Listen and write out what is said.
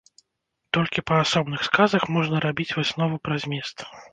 Толькі па асобных сказах можна рабіць выснову пра змест.